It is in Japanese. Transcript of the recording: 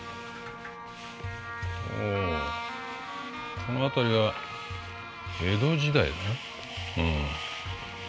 おこの辺りは江戸時代だな。